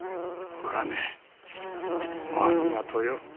おかねいつもありがとよ。